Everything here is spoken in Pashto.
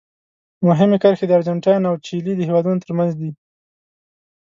مهمې کرښې د ارجنټاین او چیلي د هېوادونو ترمنځ دي.